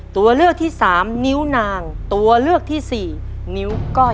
ตัวเลือกที่สามนิ้วนางตัวเลือกที่สี่นิ้วก้อย